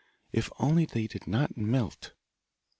If only they did not melt!